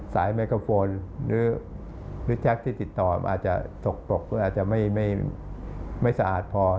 สายไมโครโฟนหรือแท็กที่ติดต่ออาจจะตกตกอาจจะไม่สะอาดพอ